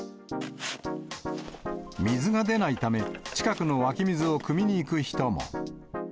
水が出ないため、近くの湧き水をくみに行く人も。